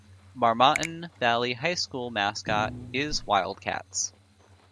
Marmaton Valley High School mascot is Wildcats.